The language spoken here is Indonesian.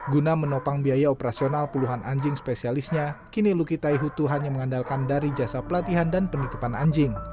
guna menopang biaya operasional puluhan anjing spesialisnya kini luki taihutu hanya mengandalkan dari jasa pelatihan dan penitipan anjing